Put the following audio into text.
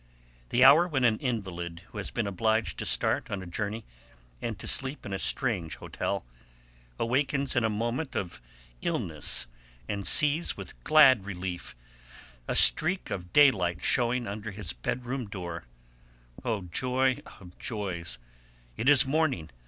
The hour when an invalid, who has been obliged to start on a journey and to sleep in a strange hotel, awakens in a moment of illness and sees with glad relief a streak of daylight shewing under his bedroom door. Oh, joy of joys! it is morning.